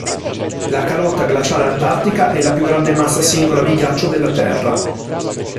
La calotta glaciale antartica è la più grande massa singola di ghiaccio della Terra.